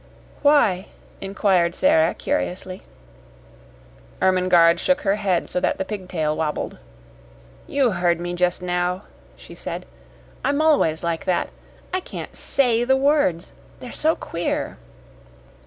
"Why?" inquired Sara, curiously. Ermengarde shook her head so that the pigtail wobbled. "You heard me just now," she said. "I'm always like that. I can't SAY the words. They're so queer."